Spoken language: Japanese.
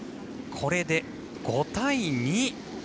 これで５対２。